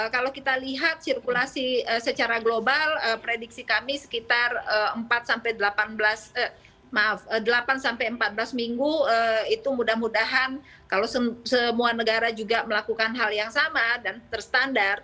kalau kita lihat sirkulasi secara global prediksi kami sekitar empat sampai delapan empat belas minggu itu mudah mudahan kalau semua negara juga melakukan hal yang sama dan terstandar